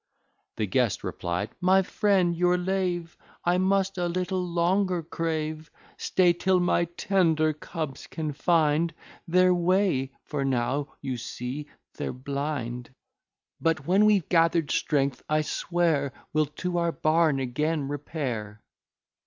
The guest replied "My friend, your leave I must a little longer crave; Stay till my tender cubs can find Their way for now, you see, they're blind; But, when we've gather'd strength, I swear, We'll to our barn again repair."